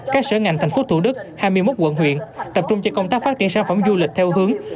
các sở ngành thành phố thủ đức hai mươi một quận huyện tập trung cho công tác phát triển sản phẩm du lịch theo hướng